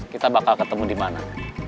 kita bakal ketemu di mana